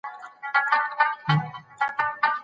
د کار دوام څنګه ساتل کيده؟